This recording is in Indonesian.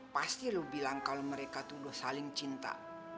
pasti lo bilang kalau mereka tuh udah saling cinta